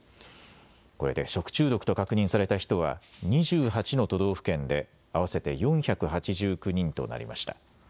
これで食中毒と確認された人は２８の都道府県で合わせて４８９人となりました。